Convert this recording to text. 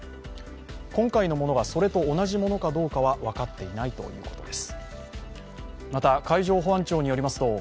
今回のものがそれと同じものかは分かっていないということです。